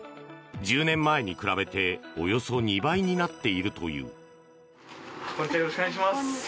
１０年前に比べておよそ２倍になっているという。